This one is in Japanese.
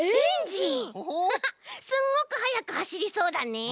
アハハすんごくはやくはしりそうだね。